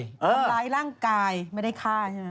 ทำร้ายร่างกายไม่ได้ฆ่าใช่ไหม